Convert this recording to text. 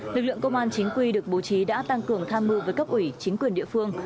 lực lượng công an chính quy được bố trí đã tăng cường tham mưu với cấp ủy chính quyền địa phương